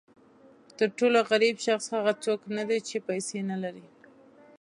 تر ټولو غریب شخص هغه څوک نه دی چې پیسې نه لري.